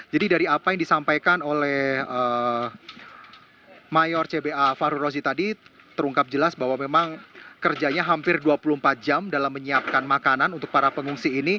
jadi dari apa yang disampaikan oleh mayor cba farul rozi tadi terungkap jelas bahwa memang kerjanya hampir dua puluh empat jam dalam menyiapkan makanan untuk para pengungsi ini